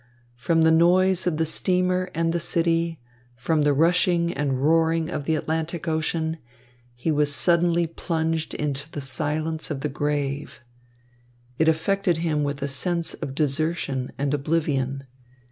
From the noise of the steamer and the city, from the rushing and roaring of the Atlantic Ocean, he was suddenly plunged into the silence of the grave. It affected him with a sense of desertion and oblivion.